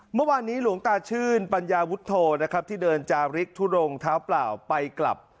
เมื่อวานนี้หลวงตาชื่นปัญญาวุฒโธนะครับที่เดินจาริกทุดงเท้าเปล่าไปกลับ